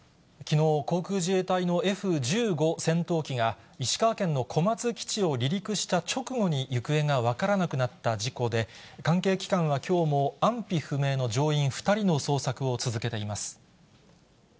きのう、航空自衛隊のＦ１５戦闘機が、石川県の小松基地を離陸した直後に行方が分からなくなった事故で、関係機関はきょうも安否不明の乗員２人の捜索を続けています。